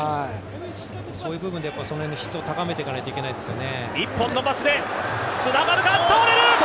そういう部分で、質を高めていかないといけないですよね。